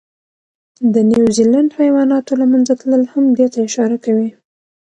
د نیوزیلند حیواناتو له منځه تلل هم دې ته اشاره کوي.